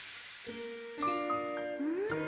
うん！